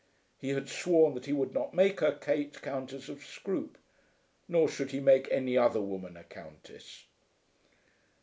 He had sworn that he would not make her Kate Countess of Scroope! Nor should he make any other woman a Countess!